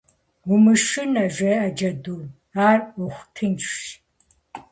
- Умышынэ! - жеӀэ джэдум. - Ар Ӏуэху тыншщ.